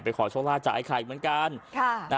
ไปขอช่องล่าจ่ายใครเหมือนกัน